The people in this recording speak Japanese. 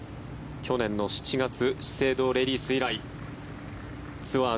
去年の７月資生堂レディス以来ツアー